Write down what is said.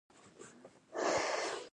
دا وسایل د خصوصي مالکیت تر تسلط لاندې دي